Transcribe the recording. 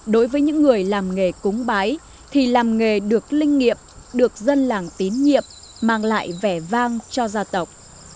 đối với những người làm nghề cúng bái thì làm nghề được linh nghiệp được dân làng tín nhiệm mang lại vẻ vang cho gia tộc